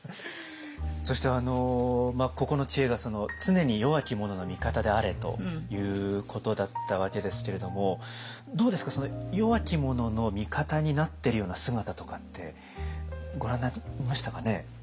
そしてここの知恵が「常に弱き者の味方であれ！」ということだったわけですけれどもどうですか弱き者の味方になってるような姿とかってご覧になりましたかね？